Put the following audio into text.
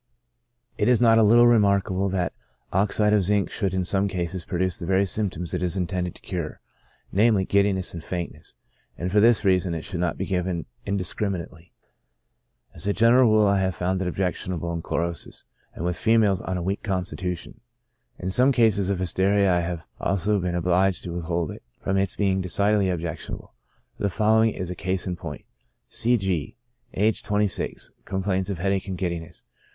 It is not a little remarkable that oxide of zinc should in some cases produce the very symptoms it is intended to cure, namely, giddiness and faintness ; and for this reason it should not be given indiscriminately. As a general rule I have found it objectionable in chlorosis, and with females of a weak constitution. In some cases of hysteria I have also been obliged to withhold it, from its being decidedly objectionable; the following is a case in point. C. G —, aged 26, complains of headache and giddiness.